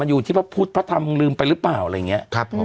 อยู่ที่พระพุทธพระธรรมลืมไปหรือเปล่าอะไรอย่างนี้ครับผม